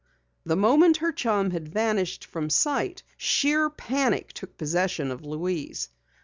The moment her chum had vanished from sight, sheer panic took possession of Louise.